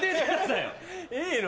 いいの？